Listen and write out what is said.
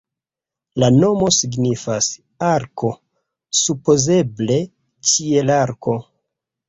La nomo signifas "arko", supozeble "ĉielarko".